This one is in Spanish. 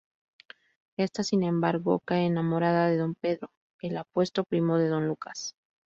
Ésta sin embargo, cae enamorada de Don Pedro, el apuesto primo de Don Lucas.